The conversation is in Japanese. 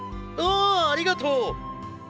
ああありがとう。